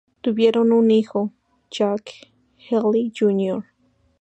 Tuvieron un hijo, Jack Healey Jr.